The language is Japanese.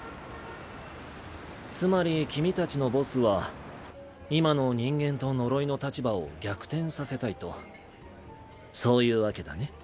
つまり君たちのボスは今の人間と呪いの立場を逆転させたいとそういうわけだね？